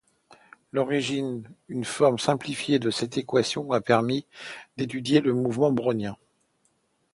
À l'origine, une forme simplifiée de cette équation a permis d'étudier le mouvement brownien.